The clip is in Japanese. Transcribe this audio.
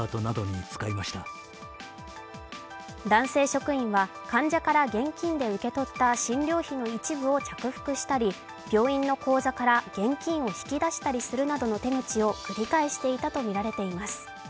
男性職員は、患者から現金で受け取った診療費の一部を着服したり病院の口座から現金を引き出したりするなどの繰り返していたとみられています。